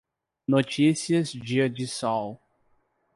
Notícias dia de sol